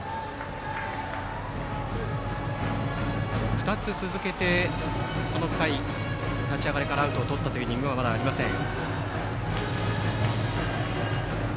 ２つ続けて立ち上がりからアウトをとったというイニングはまだありません。